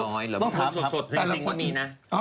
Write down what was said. ร้อยหรอคนสดจริงไม่มีนะ